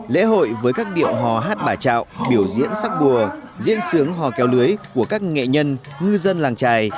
lễ hội với các điệu hò hát bà trạo biểu diễn sắc bùa diễn sướng hò kéo lưới của các nghệ nhân ngư dân làng trài